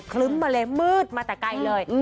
ลึ้มมาเลยมืดมาแต่ไกลเลย